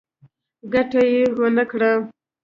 ګټه يې ونکړه.